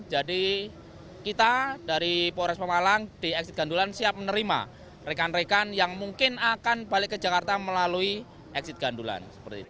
jadi kita dari polres pemalang di exit gandulan siap menerima rekan rekan yang mungkin akan balik ke jakarta melalui exit gandulan